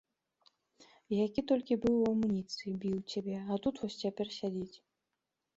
Які толькі быў у амуніцыі, біў цябе, а тут вось цяпер сядзіць.